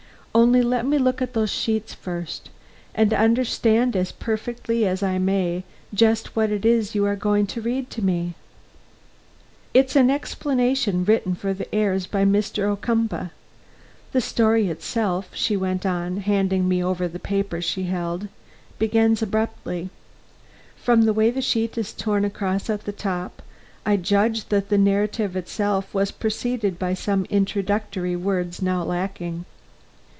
"Only let me look at those sheets first, and understand as perfectly as I may, just what it is you are going to read to me." "It's an explanation written for his heirs by Mr. Ocumpaugh. The story itself," she went on, handing me over the papers she held, "begins abruptly. From the way the sheet is torn across at the top, I judge that the narrative itself was preceded by some introductory words now lacking.